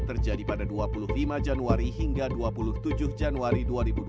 terjadi pada dua puluh lima januari hingga dua puluh tujuh januari dua ribu dua puluh empat